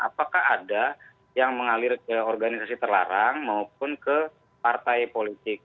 apakah ada yang mengalir ke organisasi terlarang maupun ke partai politik